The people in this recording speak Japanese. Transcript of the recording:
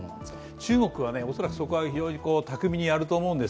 中国は恐らくそこは非常に拓海にやると思います。